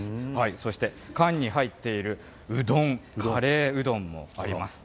そして缶に入っているうどん、カレーうどんもあります。